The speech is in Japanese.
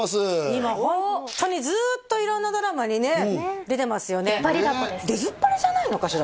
今ホントにずっと色んなドラマにね出てますよね出ずっぱりじゃないのかしら？